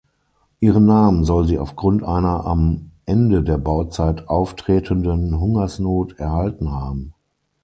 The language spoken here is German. Ihren Namen soll sie aufgrund einer am Ende der Bauzeit auftretenden Hungersnot erhalten haben.